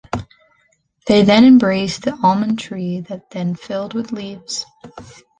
Then they embraced the almond tree that then filled with leaves.